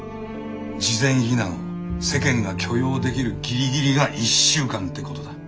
事前避難を世間が許容できるギリギリが１週間ってことだ。